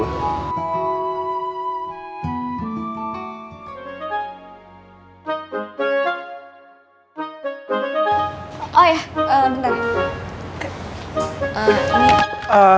oh iya bentar ya